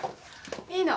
いいの。